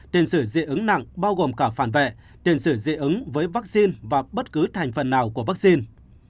tiền sử dị ứng nặng bao gồm cả phản vệ tiền sử dị ứng với vaccine và bất cứ thành phần nào của vaccine